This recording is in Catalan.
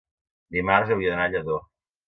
dimarts hauria d'anar a Lladó.